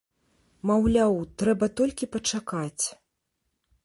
Маўляў, трэба толькі пачакаць.